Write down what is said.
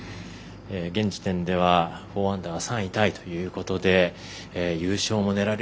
現時点では、４アンダーは３位タイということで優勝も狙える